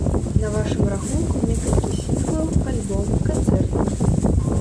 На вашым рахунку некалькі сінглаў, альбом, канцэрты.